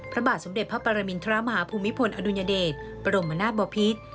พระบาทสมเด็จพระปรมินทรมาฮภูมิพลอดุญเดชบรมนาศบพิษ